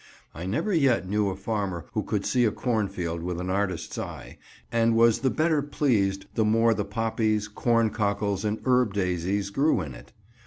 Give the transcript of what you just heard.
I never yet knew a farmer who could see a cornfield with an artist's eye, and was the better pleased the more the poppies, corn cockles, and herb daisies grew in it.